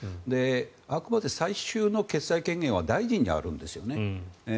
あくまで最終の決裁権限は大臣にあるんですよね。